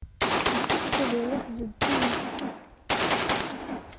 Issefk ad iruḥ zeddig.